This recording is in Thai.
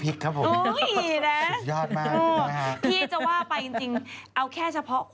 เพียงไปเดียวนะ